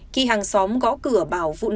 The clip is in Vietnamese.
khi hàng xóm gõ cửa bảo vụn